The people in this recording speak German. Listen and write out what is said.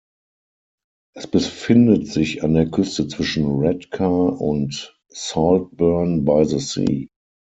Es befindet sich an der Küste zwischen Redcar und Saltburn-by-the-Sea.